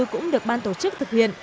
cũng được ban tổ chức thực hiện